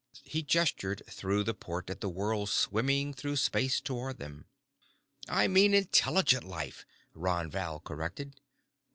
He gestured through the port at the world swimming through space toward them. "I mean intelligent life," Ron Val corrected.